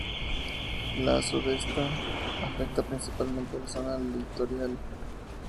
La "Sudestada" afecta principalmente a la zona litoral.